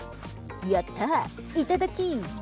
やった、いただき。